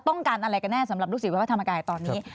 ต้องการอะไรกันแน่สำหรับลูกศิษย์วัดพระธรรมกายตอนนี้